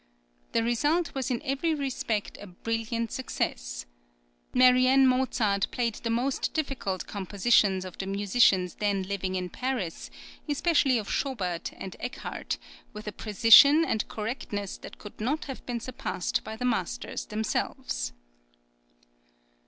The result was in every respect a brilliant success. Marianne Mozart played the most difficult compositions of the musicians then living in Paris, especially of Schobert and Eckart, with a precision and correctness that could not have been surpassed by the masters themselves.